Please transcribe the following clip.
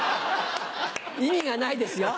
意味がないですよ。